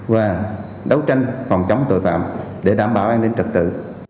và đấu tranh phòng chống tội phạm để đảm bảo an ninh trật tự